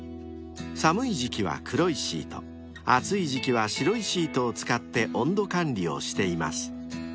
［寒い時期は黒いシート暑い時期は白いシートを使って温度管理をしています］